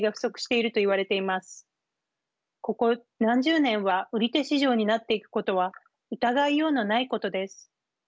ここ何十年は売り手市場になっていくことは疑いようのないことです。